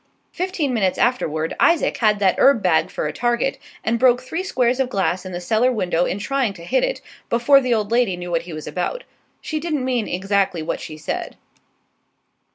Fifteen minutes afterward Isaac had that herb bag for a target, and broke three squares of glass in the cellar window in trying to hit it, before the old lady knew what he was about. She didn't mean exactly what she said.